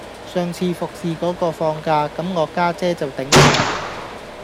上次服侍果個放假,咁我家姐就頂上